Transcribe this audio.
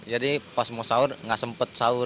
jadi pas mau sahur gak sempet sahur